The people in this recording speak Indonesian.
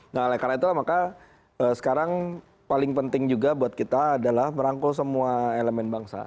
nah karena itulah maka sekarang paling penting juga buat kita adalah merangkul semua elemen bangsa